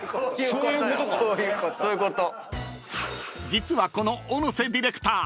［実はこの小野瀬ディレクター